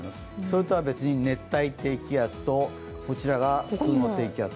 それとは別に熱帯低気圧と、こちらが普通の低気圧。